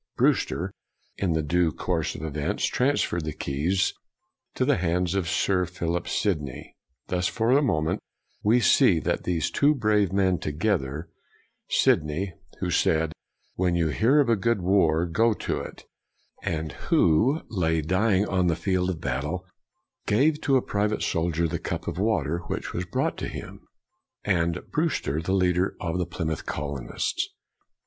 Brewster, in the due course of events, transferred the keys to the hands of Sir Philip Sidney. Thus, for a moment, we see these two brave men together: Sidney, who said, " When you hear of a good war, go to it," and who, as he lay dying on the field of battle, gave to a private soldier the cup of water which was brought to him; and Brewster, the leader of the Plym outh colonists.